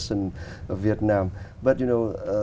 tôi rất tự hào